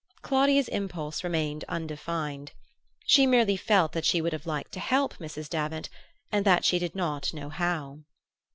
Claudia's impulse remained undefined. She merely felt that she would have liked to help Mrs. Davant, and that she did not know how.